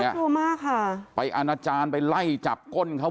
ค่ะไปอาณาจารย์ไปไล่จับก้นเขา